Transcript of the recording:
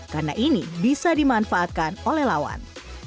karena ini bisa dimanfaatkan oleh lawan